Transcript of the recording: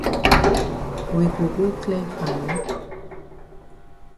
We go go clear farm?